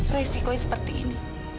resiko seperti ini